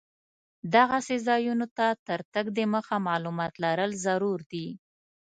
دغسې ځایونو ته تر تګ دمخه معلومات لرل ضرور دي.